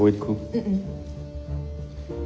うん。